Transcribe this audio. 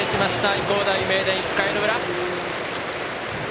愛工大名電、１回の裏。